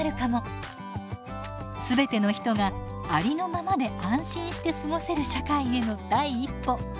全ての人がありのままで安心して過ごせる社会への第一歩。